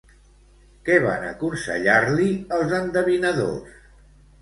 Què van aconsellar-li els endevinadors?